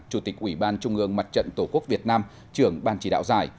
chủ tịch ủy ban trung ương mặt trận tổ quốc việt nam trưởng ban chỉ đạo giải